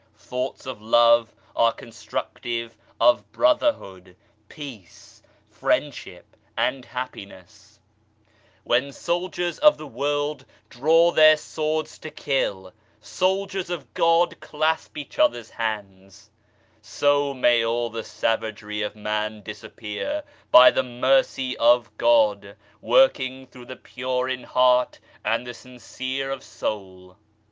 Thoughts of Love are constructive of Brotherhood, peace, friendship, and happiness. PITIFUL CAUSES OF WAR 25 When soldiers of the world draw their swords to kill, soldiers of God clasp each other's hands 1 So may all the savagery of man disappear by the Mercy of God, working through the pure in heart and the sincere of soul.